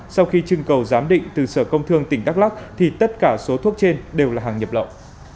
đầu giám định từ sở công thương tỉnh đắk lắk thì tất cả số thuốc trên đều là hàng nhập lậu